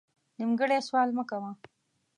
نیمګړی سوال مه کوه